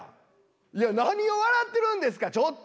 いや何を笑ってるんですかちょっと。